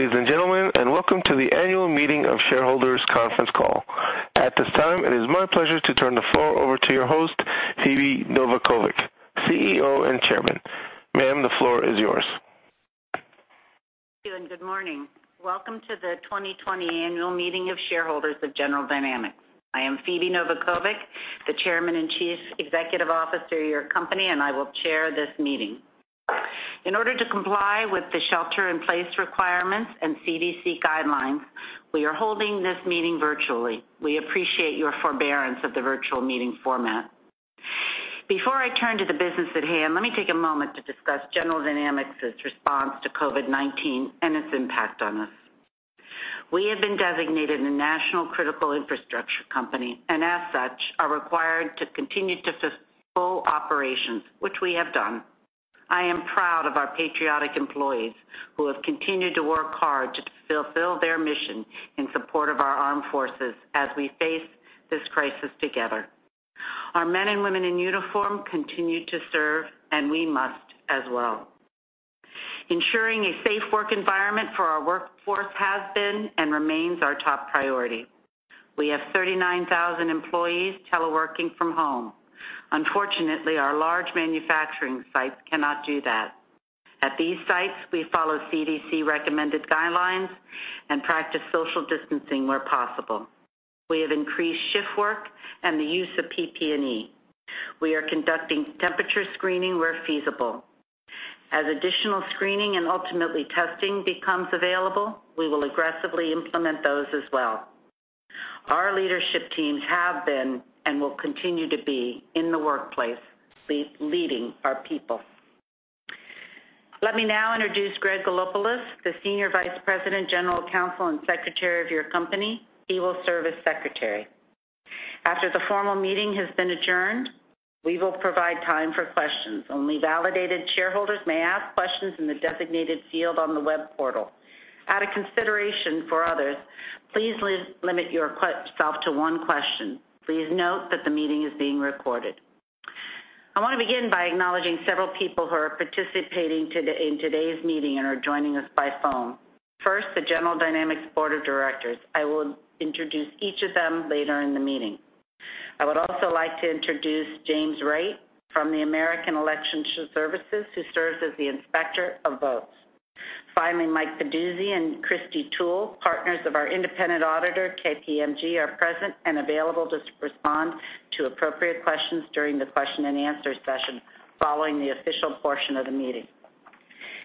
Good day, ladies and gentlemen. Welcome to the annual meeting of shareholders conference call. At this time, it is my pleasure to turn the floor over to your host, Phebe Novakovic, CEO and Chairman. Ma'am, the floor is yours. Thank you. Good morning. Welcome to the 2020 annual meeting of shareholders of General Dynamics. I am Phebe Novakovic, the Chairman and Chief Executive Officer of your company, and I will chair this meeting. In order to comply with the shelter-in-place requirements and CDC guidelines, we are holding this meeting virtually. We appreciate your forbearance of the virtual meeting format. Before I turn to the business at hand, let me take a moment to discuss General Dynamics' response to COVID-19 and its impact on us. We have been designated a national critical infrastructure company and, as such, are required to continue to fulfill operations, which we have done. I am proud of our patriotic employees who have continued to work hard to fulfill their mission in support of our armed forces as we face this crisis together. Our men and women in uniform continue to serve, and we must as well. Ensuring a safe work environment for our workforce has been and remains our top priority. We have 39,000 employees teleworking from home. Unfortunately, our large manufacturing sites cannot do that. At these sites, we follow CDC-recommended guidelines and practice social distancing where possible. We have increased shift work and the use of PPE. We are conducting temperature screening where feasible. As additional screening and ultimately testing becomes available, we will aggressively implement those as well. Our leadership teams have been and will continue to be in the workplace, leading our people. Let me now introduce Greg Gallopoulos, the Senior Vice President, General Counsel, and Secretary of your company. He will serve as secretary. After the formal meeting has been adjourned, we will provide time for questions. Only validated shareholders may ask questions in the designated field on the web portal. Out of consideration for others, please limit yourself to one question. Please note that the meeting is being recorded. I want to begin by acknowledging several people who are participating in today's meeting and are joining us by phone. First, the General Dynamics Board of Directors. I will introduce each of them later in the meeting. I would also like to introduce James Wright from the American Election Services, who serves as the inspector of votes. Finally, Mike Peduzzi and Christy Toole, partners of our independent auditor, KPMG, are present and available to respond to appropriate questions during the question and answer session following the official portion of the meeting.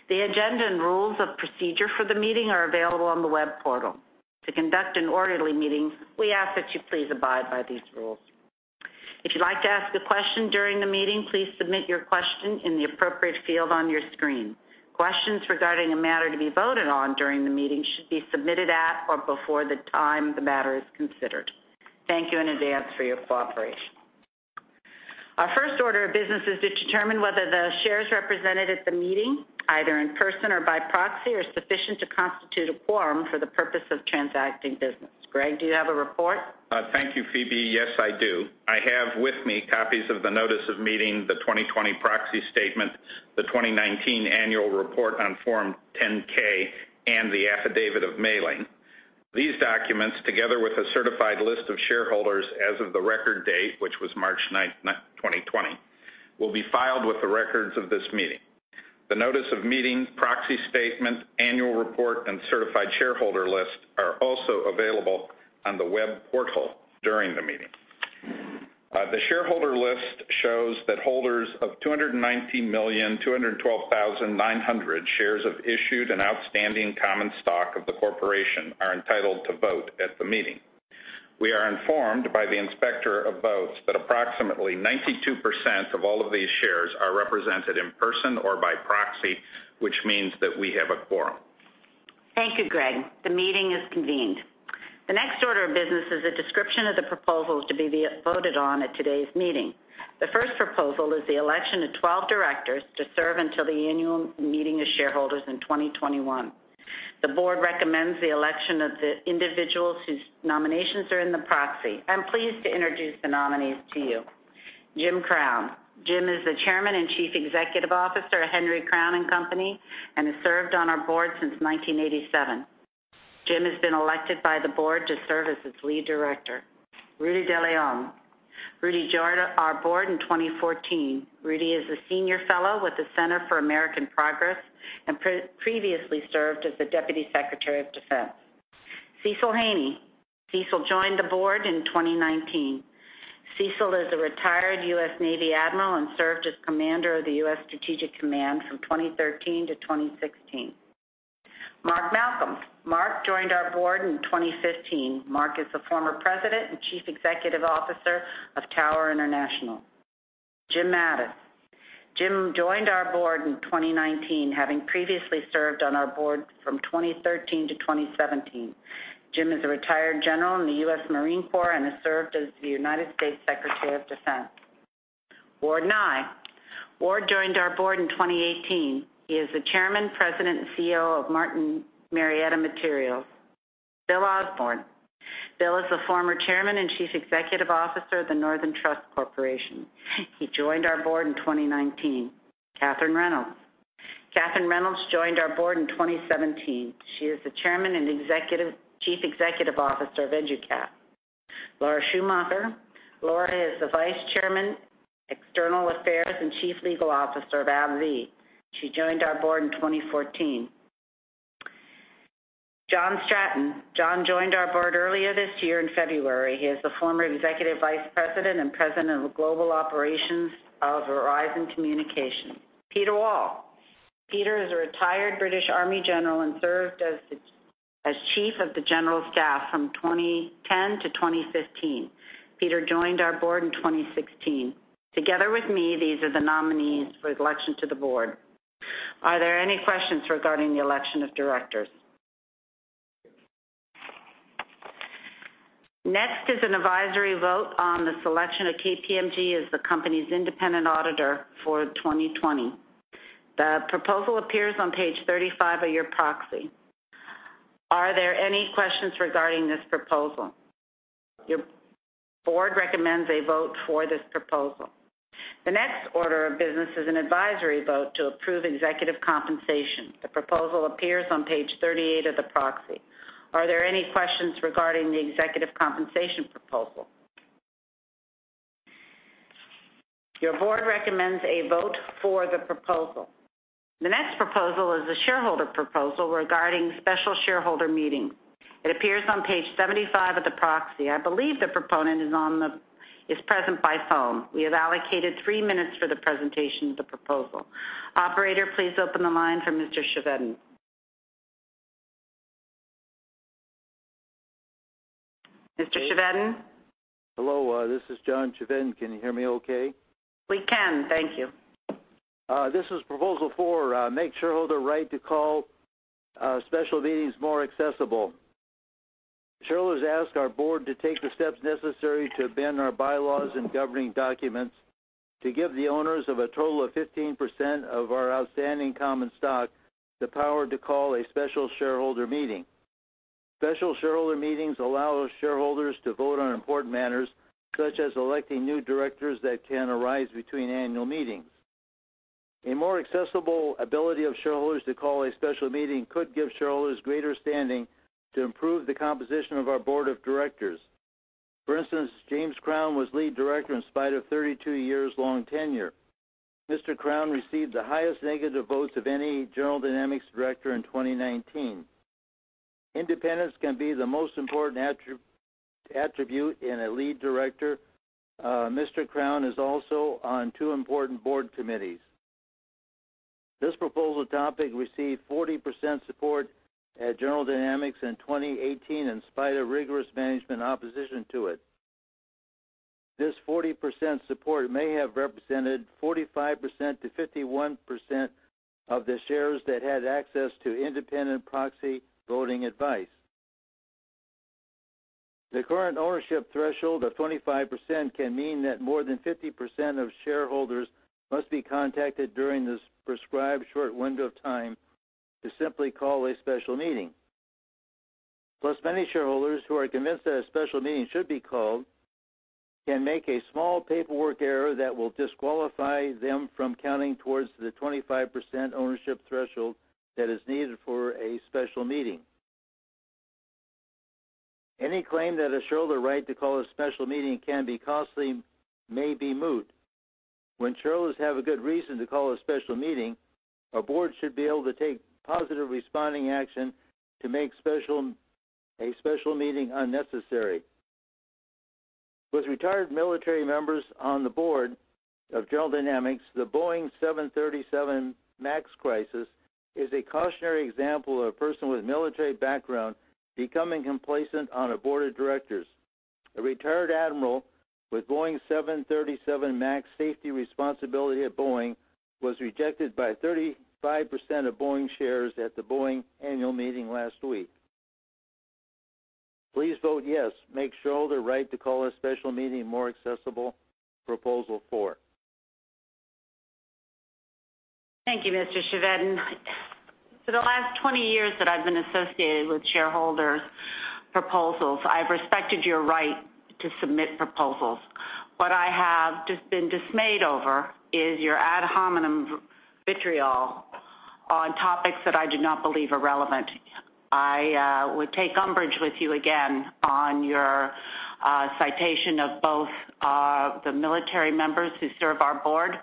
The agenda and rules of procedure for the meeting are available on the web portal. To conduct an orderly meeting, we ask that you please abide by these rules. If you'd like to ask a question during the meeting, please submit your question in the appropriate field on your screen. Questions regarding a matter to be voted on during the meeting should be submitted at or before the time the matter is considered. Thank you in advance for your cooperation. Our first order of business is to determine whether the shares represented at the meeting, either in person or by proxy, are sufficient to constitute a quorum for the purpose of transacting business. Greg, do you have a report? Thank you, Phebe. Yes, I do. I have with me copies of the notice of meeting, the 2020 proxy statement, the 2019 annual report on Form 10-K, and the affidavit of mailing. These documents, together with a certified list of shareholders as of the record date, which was March 9th, 2020, will be filed with the records of this meeting. The notice of meeting, proxy statement, annual report, and certified shareholder list are also available on the web portal during the meeting. The shareholder list shows that holders of 219,212,900 shares of issued and outstanding common stock of the corporation are entitled to vote at the meeting. We are informed by the Inspector of Votes that approximately 92% of all of these shares are represented in person or by proxy, which means that we have a quorum. Thank you, Greg. The meeting is convened. The next order of business is a description of the proposals to be voted on at today's meeting. The first proposal is the election of 12 directors to serve until the annual meeting of shareholders in 2021. The board recommends the election of the individuals whose nominations are in the proxy. I'm pleased to introduce the nominees to you. Jim Crown. Jim is the chairman and chief executive officer of Henry Crown and Company and has served on our board since 1987. Jim has been elected by the board to serve as its lead director. Rudy deLeon. Rudy joined our board in 2014. Rudy is a senior fellow with the Center for American Progress and previously served as the Deputy Secretary of Defense. Cecil Haney. Cecil joined the board in 2019. Cecil is a retired U.S. Navy admiral and served as Commander of the U.S. Strategic Command from 2013 to 2016. Mark Malcolm. Mark joined our board in 2015. Mark is the former President and Chief Executive Officer of Tower International. Jim Mattis. Jim joined our board in 2019, having previously served on our board from 2013-2017. Jim is a retired General in the U.S. Marine Corps and has served as the United States Secretary of Defense. Ward Nye. Ward joined our board in 2018. He is the Chairman, President, and CEO of Martin Marietta Materials. Bill Osborn. Bill is the former Chairman and Chief Executive Officer of the Northern Trust Corporation. He joined our board in 2019. Catherine Reynolds. Catherine Reynolds joined our board in 2017. She is the Chairman and Chief Executive Officer of EduCap. Laura Schumacher. Laura is the Vice Chairman, External Affairs, and Chief Legal Officer of AbbVie. She joined our board in 2014. John Stratton. John joined our board earlier this year in February. He is the former Executive Vice President and President of Global Operations of Verizon Communications. Peter Wall. Peter is a retired British Army general and served as Chief of the General Staff from 2010-2015. Peter joined our board in 2016. Together with me, these are the nominees for election to the board. Are there any questions regarding the election of directors? Next is an advisory vote on the selection of KPMG as the company's independent auditor for 2020. The proposal appears on page 35 of your proxy. Are there any questions regarding this proposal? Your board recommends a vote for this proposal. The next order of business is an advisory vote to approve executive compensation. The proposal appears on page 38 of the proxy. Are there any questions regarding the executive compensation proposal? Your board recommends a vote for the proposal. The next proposal is a shareholder proposal regarding special shareholder meetings. It appears on page 75 of the proxy. I believe the proponent is present by phone. We have allocated three minutes for the presentation of the proposal. Operator, please open the line for Mr. Chevedden. Mr. Chevedden? Hello, this is John Chevedden. Can you hear me okay? We can. Thank you. This is proposal four, make shareholder right to call special meetings more accessible. Shareholders ask our board to take the steps necessary to amend our bylaws and governing documents to give the owners of a total of 15% of our outstanding common stock the power to call a special shareholder meeting. Special shareholder meetings allow shareholders to vote on important matters such as electing new directors that can arise between annual meetings. A more accessible ability of shareholders to call a special meeting could give shareholders greater standing to improve the composition of our board of directors. For instance, James Crown was Lead Director in spite of 32 years long tenure. Mr. Crown received the highest negative votes of any General Dynamics director in 2019. Independence can be the most important attribute in a lead director. Mr. Crown is also on two important board committees. This proposal topic received 40% support at General Dynamics in 2018, in spite of rigorous management opposition to it. This 40% support may have represented 45%-51% of the shares that had access to independent proxy voting advice. The current ownership threshold of 25% can mean that more than 50% of shareholders must be contacted during this prescribed short window of time to simply call a special meeting. Many shareholders who are convinced that a special meeting should be called can make a small paperwork error that will disqualify them from counting towards the 25% ownership threshold that is needed for a special meeting. Any claim that a shareholder right to call a special meeting can be costly may be moot. When shareholders have a good reason to call a special meeting, a board should be able to take positive responding action to make a special meeting unnecessary. With retired military members on the board of General Dynamics, the Boeing 737 MAX crisis is a cautionary example of a person with military background becoming complacent on a board of directors. A retired admiral with Boeing 737 MAX safety responsibility at Boeing was rejected by 35% of Boeing shares at the Boeing annual meeting last week. Please vote yes. Make shareholder right to call a special meeting more accessible. Proposal four. Thank you, Mr. Chevedden. For the last 20 years that I've been associated with shareholder proposals, I've respected your right to submit proposals. What I have just been dismayed over is your ad hominem vitriol on topics that I do not believe are relevant. I would take umbrage with you again on your citation of both the military members who serve our board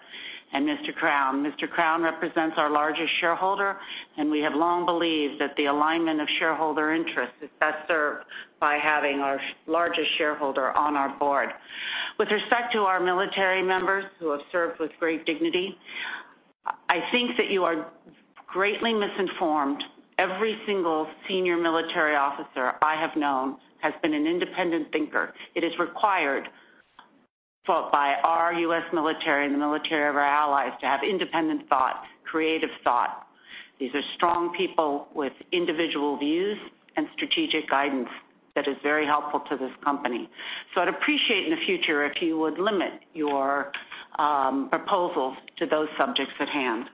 and Mr. Crown. Mr. Crown represents our largest shareholder, and we have long believed that the alignment of shareholder interest is best served by having our largest shareholder on our board. With respect to our military members who have served with great dignity, I think that you are greatly misinformed. Every single senior military officer I have known has been an independent thinker. It is required by our U.S. military and the military of our allies to have independent thought, creative thought. These are strong people with individual views and strategic guidance that is very helpful to this company. I'd appreciate in the future if you would limit your proposals to those subjects at hand.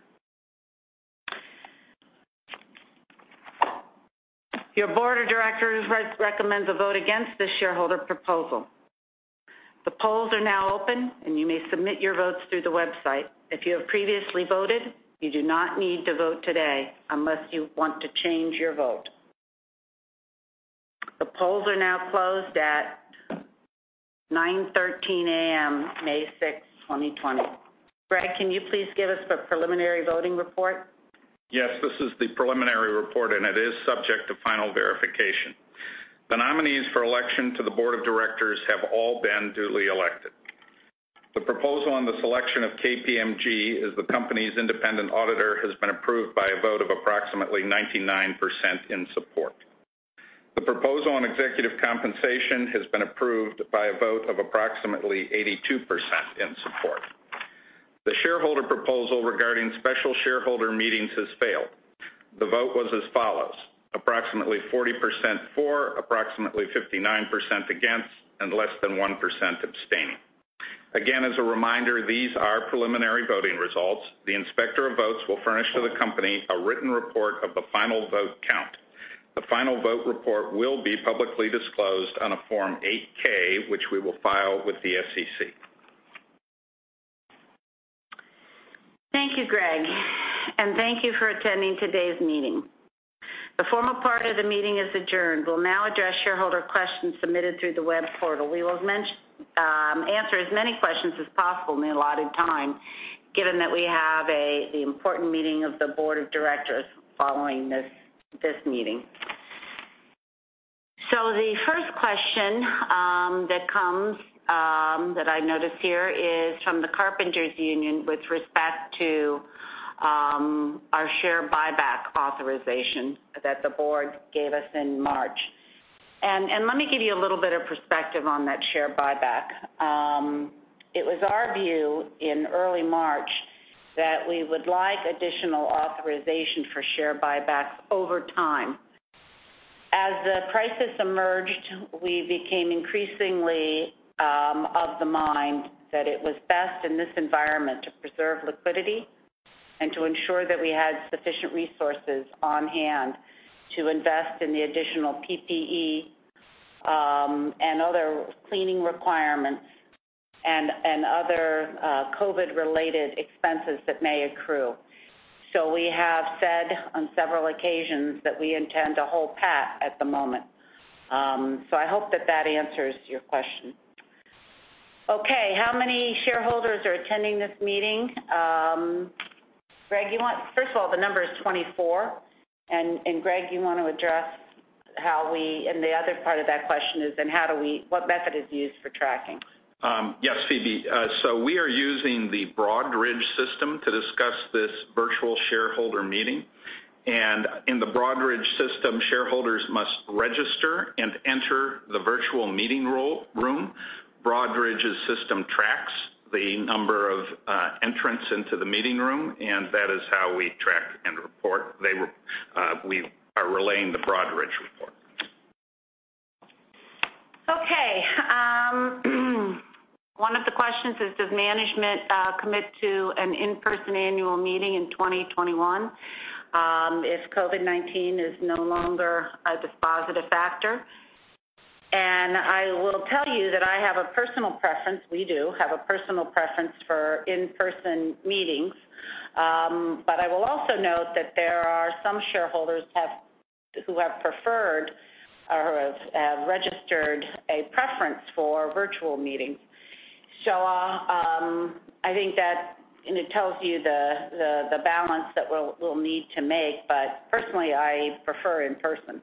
Your board of directors recommends a vote against this shareholder proposal. The polls are now open, and you may submit your votes through the website. If you have previously voted, you do not need to vote today unless you want to change your vote. The polls are now closed at 9:13 A.M., May 6, 2020. Greg, can you please give us the preliminary voting report? Yes, this is the preliminary report, and it is subject to final verification. The nominees for election to the board of directors have all been duly elected. The proposal on the selection of KPMG as the company's independent auditor has been approved by a vote of approximately 99% in support. The proposal on executive compensation has been approved by a vote of approximately 82% in support. The shareholder proposal regarding special shareholder meetings has failed. The vote was as follows: approximately 40% for, approximately 59% against, and less than 1% abstaining. Again, as a reminder, these are preliminary voting results. The inspector of votes will furnish to the company a written report of the final vote count. The final vote report will be publicly disclosed on a Form 8-K, which we will file with the SEC. Thank you, Greg. Thank you for attending today's meeting. The formal part of the meeting is adjourned. We'll now address shareholder questions submitted through the web portal. We will answer as many questions as possible in the allotted time, given that we have the important meeting of the board of directors following this meeting. The first question that comes that I notice here is from the Carpenters Union with respect to our share buyback authorization that the board gave us in March. Let me give you a little bit of perspective on that share buyback. It was our view in early March that we would like additional authorization for share buybacks over time. As the crisis emerged, we became increasingly of the mind that it was best in this environment to preserve liquidity and to ensure that we had sufficient resources on hand to invest in the additional PPE and other cleaning requirements and other COVID-related expenses that may accrue. We have said on several occasions that we intend to hold pat at the moment. I hope that that answers your question. Okay, how many shareholders are attending this meeting? Greg, first of all, the number is 24. Greg, you want to address and the other part of that question is what method is used for tracking? Yes, Phebe. We are using the Broadridge system to discuss this virtual shareholder meeting. In the Broadridge system, shareholders must register and enter the virtual meeting room. Broadridge's system tracks the number of entrants into the meeting room. That is how we track and report. We are relaying the Broadridge report. Okay. One of the questions is: Does management commit to an in-person annual meeting in 2021 if COVID-19 is no longer a dispositive factor? I will tell you that I have a personal preference, we do have a personal preference for in-person meetings. I will also note that there are some shareholders who have preferred or have registered a preference for virtual meetings. I think that it tells you the balance that we'll need to make. Personally, I prefer in-person.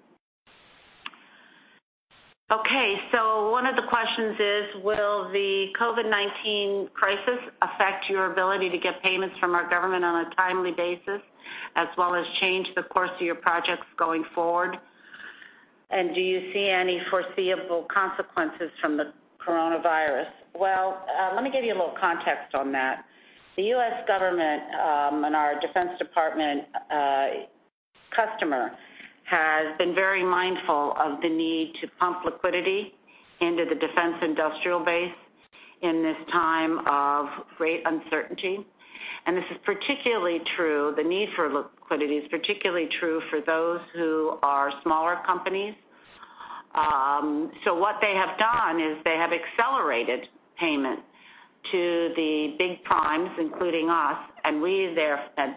Okay, one of the questions is: Will the COVID-19 crisis affect your ability to get payments from our government on a timely basis as well as change the course of your projects going forward? Do you see any foreseeable consequences from the coronavirus? Well, let me give you a little context on that. The U.S. government and our Defense Department customer has been very mindful of the need to pump liquidity into the defense industrial base in this time of great uncertainty. The need for liquidity is particularly true for those who are smaller companies. What they have done is they have accelerated payment to the big primes, including us, and we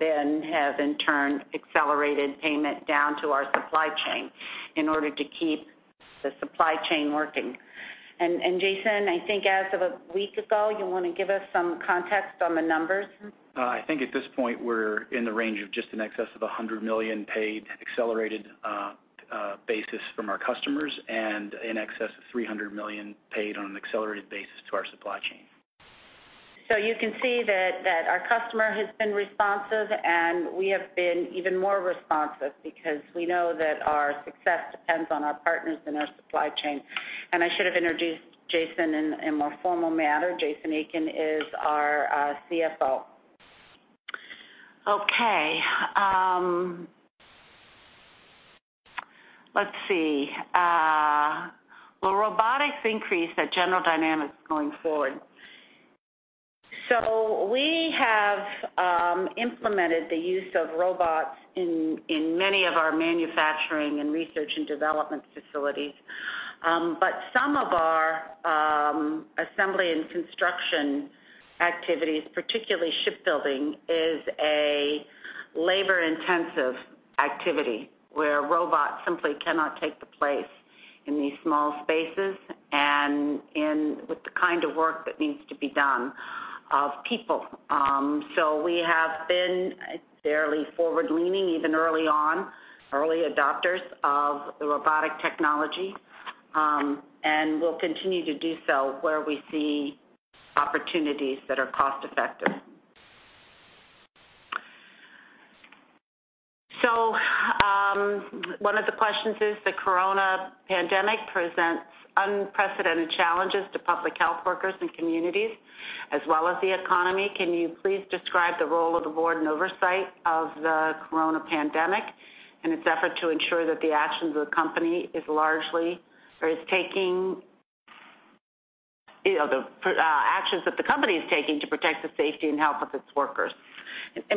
then have in turn accelerated payment down to our supply chain in order to keep the supply chain working. Jason, I think as of a week ago, you want to give us some context on the numbers? I think at this point, we're in the range of just in excess of $100 million paid accelerated basis from our customers and in excess of $300 million paid on an accelerated basis to our supply chain. You can see that our customer has been responsive, we have been even more responsive because we know that our success depends on our partners and our supply chain. I should have introduced Jason in a more formal manner. Jason Aiken is our CFO. Okay. Let's see increase at General Dynamics going forward. We have implemented the use of robots in many of our manufacturing and research and development facilities. Some of our assembly and construction activities, particularly shipbuilding, is a labor-intensive activity where robots simply cannot take the place in these small spaces and with the kind of work that needs to be done of people. We have been fairly forward-leaning, even early on, early adopters of the robotic technology, and we'll continue to do so where we see opportunities that are cost-effective. One of the questions is, the corona pandemic presents unprecedented challenges to public health workers and communities as well as the economy. Can you please describe the role of the board and oversight of the corona pandemic in its effort to ensure that the actions that the company is taking to protect the safety and health of its workers?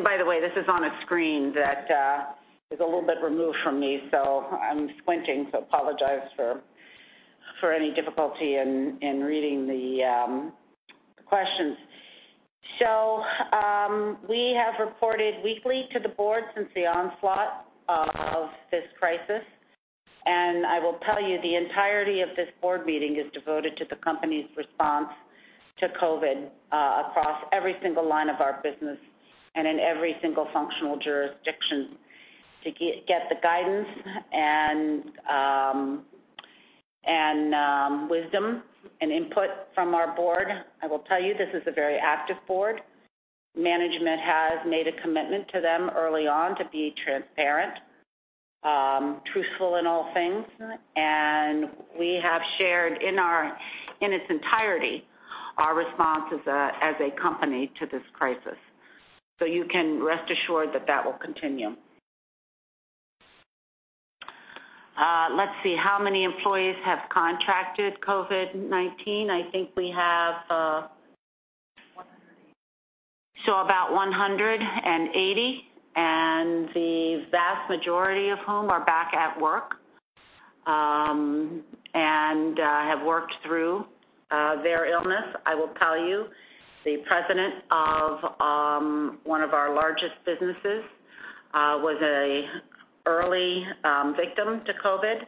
By the way, this is on a screen that is a little bit removed from me, so I'm squinting, so apologize for any difficulty in reading the questions. We have reported weekly to the Board since the onslaught of this crisis, and I will tell you, the entirety of this Board meeting is devoted to the company's response to COVID-19, across every single line of our business and in every single functional jurisdiction to get the guidance and wisdom and input from our Board. I will tell you, this is a very active Board. Management has made a commitment to them early on to be transparent, truthful in all things. We have shared in its entirety our response as a company to this crisis. You can rest assured that that will continue. Let's see, how many employees have contracted COVID-19? I think we have-- so about 180, and the vast majority of whom are back at work, and have worked through their illness. I will tell you, the president of one of our largest businesses was an early victim to COVID.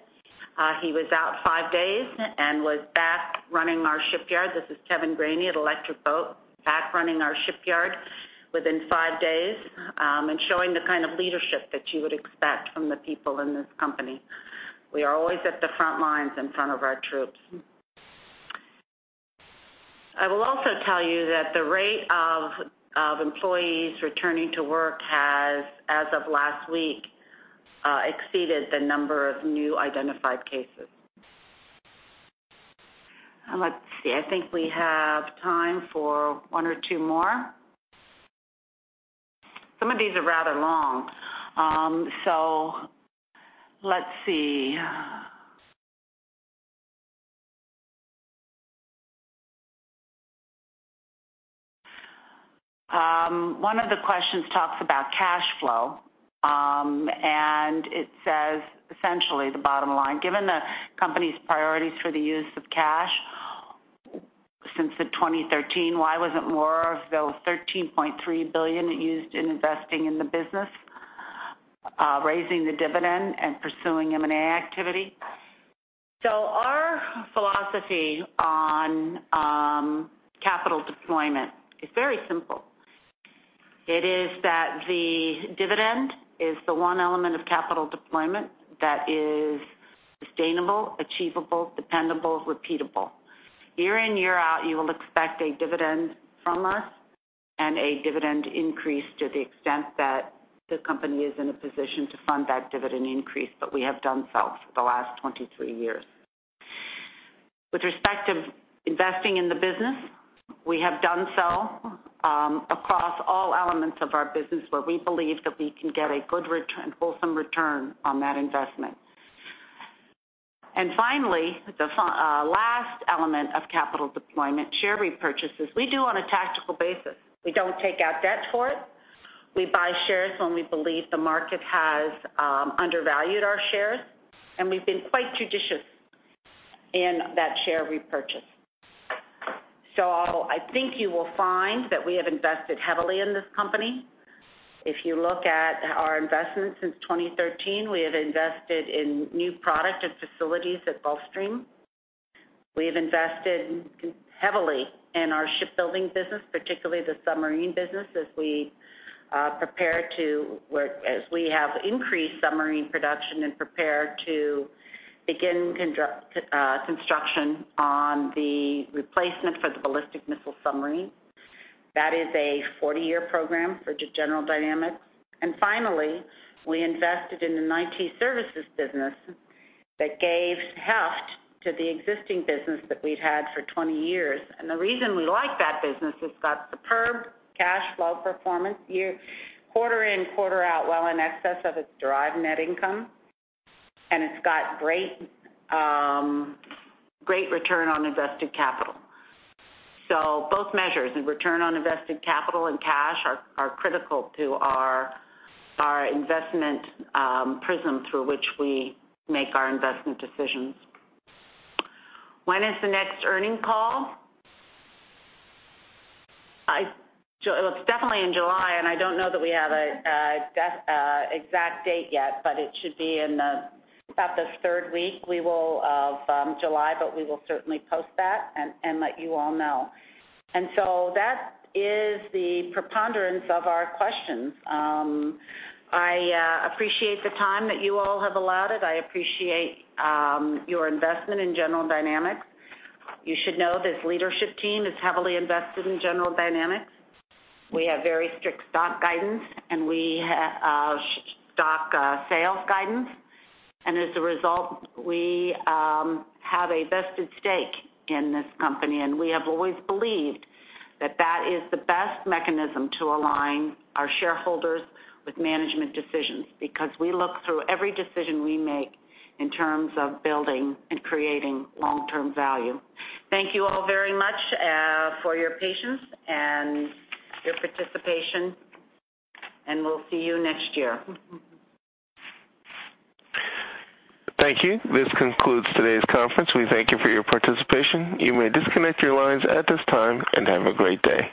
He was out five days and was back running our shipyard. This is Kevin Graney at Electric Boat, back running our shipyard within five days, and showing the kind of leadership that you would expect from the people in this company. We are always at the front lines in front of our troops. I will also tell you that the rate of employees returning to work has, as of last week, exceeded the number of new identified cases. Let's see. I think we have time for one or two more. Some of these are rather long. Let's see. One of the questions talks about cash flow. It says, essentially, the bottom line, given the company's priorities for the use of cash since 2013, why wasn't more of those $13.3 billion used in investing in the business, raising the dividend and pursuing M&A activity? Our philosophy on capital deployment is very simple. It is that the dividend is the one element of capital deployment that is sustainable, achievable, dependable, repeatable. Year in, year out, you will expect a dividend from us and a dividend increase to the extent that the company is in a position to fund that dividend increase, but we have done so for the last 23 years. With respect to investing in the business, we have done so across all elements of our business where we believe that we can get a good return, wholesome return on that investment. Finally, the last element of capital deployment, share repurchases, we do on a tactical basis. We don't take out debt for it. We buy shares when we believe the market has undervalued our shares, and we've been quite judicious in that share repurchase. I think you will find that we have invested heavily in this company. If you look at our investments since 2013, we have invested in new product and facilities at Gulfstream. We have invested heavily in our shipbuilding business, particularly the submarine business, as we have increased submarine production and prepare to begin construction on the replacement for the ballistic missile submarine. That is a 40-year program for General Dynamics. Finally, we invested in the IT services business that gave heft to the existing business that we'd had for 20 years. The reason we like that business, it's got superb cash flow performance quarter in, quarter out, well in excess of its derived net income. It's got great return on invested capital. Both measures, in return on invested capital and cash, are critical to our investment prism through which we make our investment decisions. When is the next earnings call? It's definitely in July, and I don't know that we have an exact date yet, but it should be in about the third week of July, but we will certainly post that and let you all know. That is the preponderance of our questions. I appreciate the time that you all have allotted. I appreciate your investment in General Dynamics. You should know this leadership team is heavily invested in General Dynamics. We have very strict stock guidance, and we have stock sales guidance. As a result, we have a vested stake in this company, and we have always believed that that is the best mechanism to align our shareholders with management decisions because we look through every decision we make in terms of building and creating long-term value. Thank you all very much for your patience and your participation, and we'll see you next year. Thank you. This concludes today's conference. We thank you for your participation. You may disconnect your lines at this time, and have a great day.